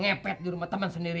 ngepet di rumah teman sendiri